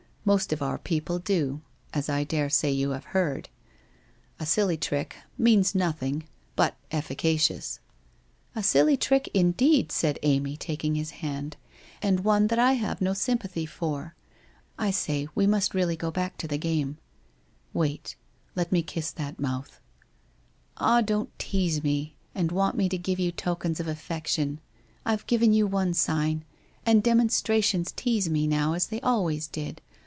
Most of our people do, as I daresay you have heard. A silly trick — means nothing — but efficacious/ ' A silly trick indeed,' said Amy, taking his hand, c and one that I have no sympathy for. I say, we must really go back to the game/ 1 Wait, let me kiss that mouth.' ' Ah, don't tease me, and want me to give you tokens of affection. I've given you one sign. And demonstra tions tease me now, as they always did.